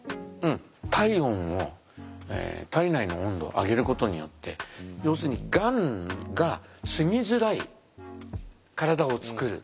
体温を体内の温度を上げることによって要するにがんがすみづらい体を作る。